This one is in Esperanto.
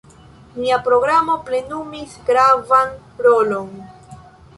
Nia programo plenumis gravan rolon.